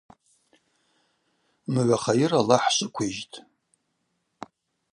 Мгӏва хайыр Алахӏ швыквижьтӏ.